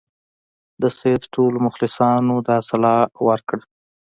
د سید ټولو مخلصانو دا سلا ورکړه.